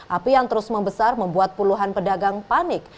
api yang terus membesar membuat puluhan pedagang panik